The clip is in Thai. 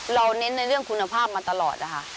เน้นในเรื่องคุณภาพมาตลอดนะคะ